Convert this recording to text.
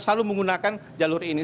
selalu menggunakan jalur ini